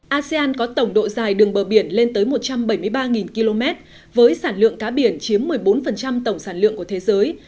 asean có tổng độ dài đường bờ biển lên tới một trăm bảy mươi ba km với sản lượng cá biển chiếm một mươi bốn tổng sản lượng của thế giới